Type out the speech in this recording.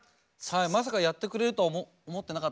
まさかやってくれるとは思ってなかったです。